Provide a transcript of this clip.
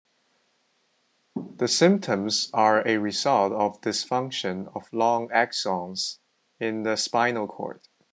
The symptoms are a result of dysfunction of long axons in the spinal cord.